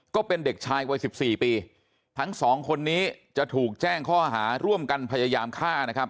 ก็เป็นเด็กชายวัยสิบสี่ปีทั้งสองคนนี้จะถูกแจ้งข้อหาร่วมกันพยายามฆ่านะครับ